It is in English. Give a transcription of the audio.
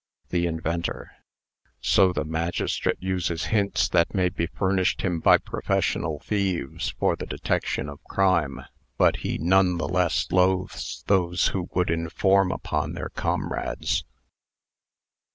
THE INVENTOR. "So the magistrate uses hints that may be furnished him by professional thieves, for the detection of crime. But he, none the less, loathes those who would inform upon their comrades."